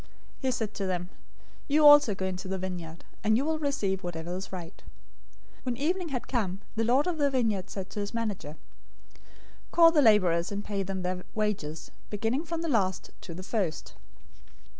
"He said to them, 'You also go into the vineyard, and you will receive whatever is right.' 020:008 When evening had come, the lord of the vineyard said to his manager, 'Call the laborers and pay them their wages, beginning from the last to the first.'